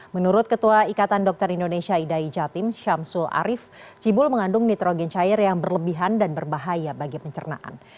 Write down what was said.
menurut ketua ikatan dokter indonesia idai jatim syamsul arief cibul mengandung nitrogen cair yang berlebihan dan berbahaya bagi pencernaan